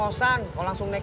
kamu jari ada dampak nih